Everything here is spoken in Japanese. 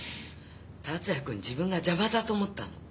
達也君自分が邪魔だと思ったの。